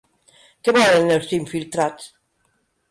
Què volen els infiltrats?